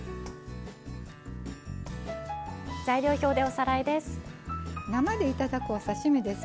材料表でおさらいです。